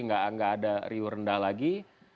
nggak ada riuh rendah lagi